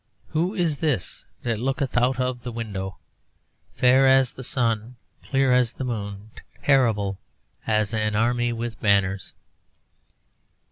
'Who is this that looketh out of the window, fair as the sun, clear as the moon, terrible as an army with banners?'